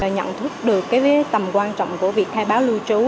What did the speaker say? nhận thức được tầm quan trọng của việc khai báo lưu trú